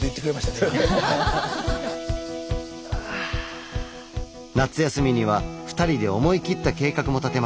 夏休みには２人で思い切った計画も立てました。